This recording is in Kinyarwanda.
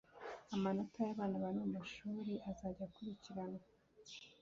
amanota y'abana bari mu mashuri azajya akurikiranwa